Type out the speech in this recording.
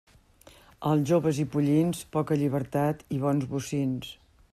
Als jóvens i pollins, poca llibertat i bons bocins.